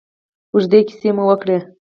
اوږدې کیسې مو وکړې.